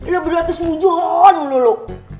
lo berdua tuh seujon lo lo